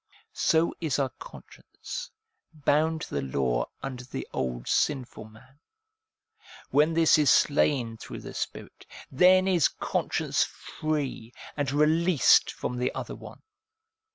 So is our conscience bound to the law under the old sinful man ; when this is slain through the Spirit, then is conscience free, and released from the other one.